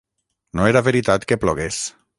No era veritat que plogués.